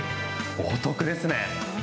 お得ですね。